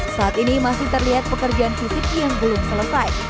saat ini masih terlihat pekerjaan fisik yang belum selesai